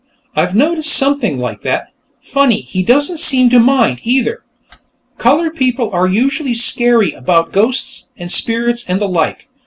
I've noticed something like that. Funny, he doesn't seem to mind, either. Colored people are usually scary about ghosts and spirits and the like....